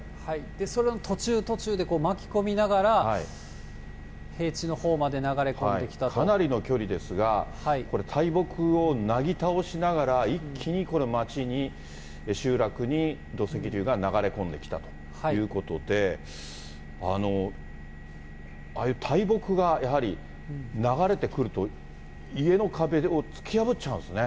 その途中途中で、巻き込みながら、かなりの距離ですが、これ、大木をなぎ倒しながら一気にこれ、町に集落に土石流が流れ込んできたということで、ああいう大木がやはり流れてくると、家の壁を突き破っちゃうんですね。